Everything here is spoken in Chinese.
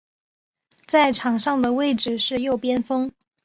在场上的位置是右边锋。